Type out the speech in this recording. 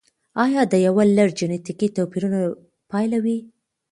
یا د یو لړ جنتیکي توپیرونو پایله وي.